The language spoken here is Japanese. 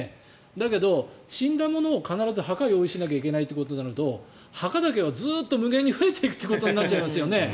だけど死んだ者を必ず墓を用意しなきゃいけないとなると墓だけはずっと無限に増えていくことになっちゃいますよね。